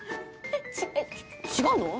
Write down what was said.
え違うの？